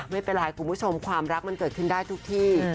ไม่เป็นไรคุณผู้ชมความรักมันเกิดขึ้นได้ทุกที่